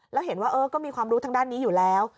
แล้วเห็นว่าก็มีความรู้ทางด้านนี้อยู่แล้ว